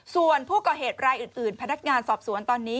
ส่วนผู้ก่อเหตุรายอื่นพนักงานสอบสวนตอนนี้